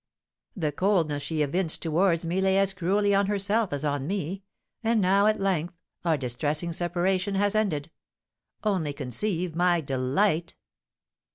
The coldness she evinced towards me lay as cruelly on herself as on me, and now, at length, our distressing separation has ended. Only conceive my delight!"